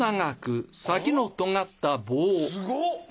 すごっ！